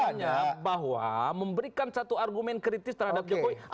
makanya bahwa memberikan satu argumen kritis terhadap jokowi